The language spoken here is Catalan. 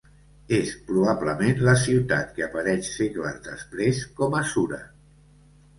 És probablement la ciutat que apareix segles després com a Sura.